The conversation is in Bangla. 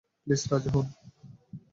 প্লীজ রাজি হোন।